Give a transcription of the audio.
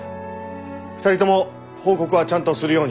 ２人とも報告はちゃんとするように。